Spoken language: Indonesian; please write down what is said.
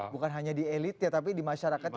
bukan hanya di elit ya tapi di masyarakat juga